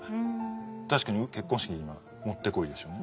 確かに結婚式にはもってこいですよね。